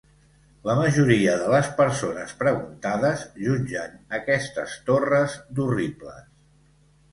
La majoria de les persones preguntades jutgen aquestes torres d'horribles.